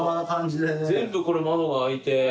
全部これ窓が開いて。